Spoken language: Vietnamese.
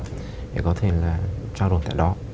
thì có thể là trao đổi tại đó